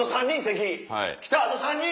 敵きたあと３人。